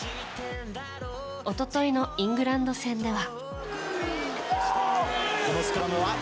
一昨日のイングランド戦では。